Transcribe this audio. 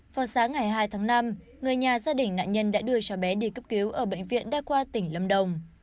vào sáng ngày hai tháng năm người nhà gia đình nạn nhân đã đưa cho bé đi cấp cứu ở bệnh viện đa khoa tỉnh lâm đồng